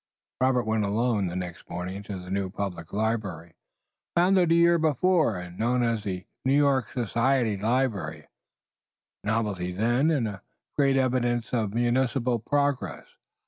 Robert went alone the next morning to the new public library, founded the year before and known as the New York Society Library, a novelty then and a great evidence of municipal progress.